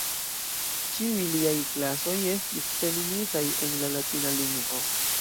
Ĉiuj liaj klasoj estis plenumitaj en la latina lingvo.